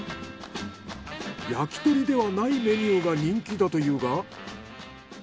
焼き鳥ではないメニューが人気だというが。